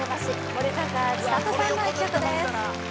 森高千里さんの１曲です